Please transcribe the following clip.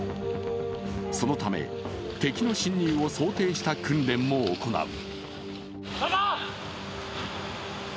そのため、敵の侵入を想定した訓練も行う。